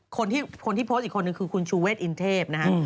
คนที่คนที่โพสต์อีกคนนึงคือคุณชูเวทอินเทพนะฮะ